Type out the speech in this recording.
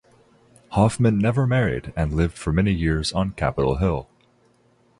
Hoffman never married and lived for many years on Capitol Hill.